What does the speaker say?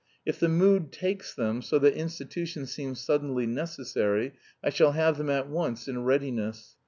If the mood takes them so that institutions seem suddenly necessary, I shall have them at once in readiness.